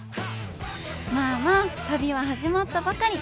まあまあ旅は始まったばかり。